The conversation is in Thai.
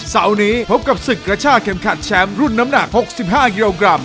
เสาร์นี้พบกับศึกกระชากเข็มขัดแชมป์รุ่นน้ำหนัก๖๕กิโลกรัม